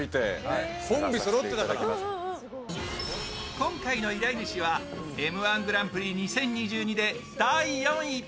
今回の依頼主は「Ｍ−１グランプリ２０２２」で第４位。